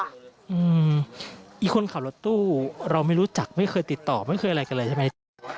อีกคนขับรถตู้เราไม่รู้จักไม่เคยติดต่อไม่เคยอะไรกันเลยใช่ไหม